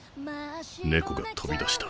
猫が飛び出した。